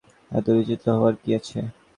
এত বিচলিত হওয়ার কী আছে!